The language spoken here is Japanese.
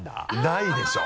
ないでしょ。